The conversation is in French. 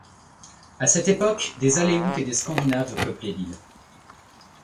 À cette époque, des Aléoutes et des Scandinaves peuplaient l'île.